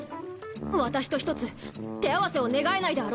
私とひとつ手合わせを願えないであろうか。